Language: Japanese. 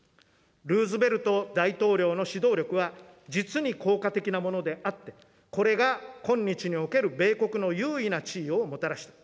ルーズベルト大統領の指導力は実に効果的なものであって、これが今日における米国の優位な地位をもたらした。